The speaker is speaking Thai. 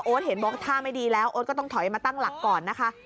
เห็นบอกท่าไม่ดีแล้วโอ๊ตก็ต้องถอยมาตั้งหลักก่อนนะคะ